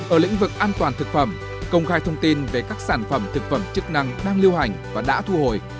ở lĩnh vực an toàn thực phẩm công khai thông tin về các sản phẩm thực phẩm chức năng đang lưu hành và đã thu hồi